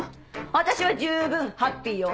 私は十分ハッピーよ！